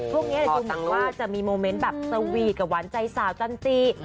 พวกนี้ผมสังว่าจะมีโมเมนต์แบบสวีทกับหวานใจสาวจันทรีย์